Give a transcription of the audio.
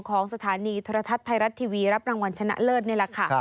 ของสถานีโทรทัศน์ไทยรัฐทีวีรับรางวัลชนะเลิศนี่แหละค่ะ